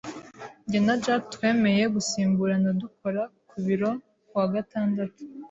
Jye na Jack twemeye gusimburana dukora ku biro ku wa gatandatu.